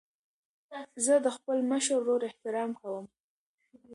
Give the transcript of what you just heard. زه د خپل مشر ورور احترام کوم.